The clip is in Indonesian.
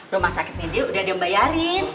rumah sakitnya dia udah dia bayarin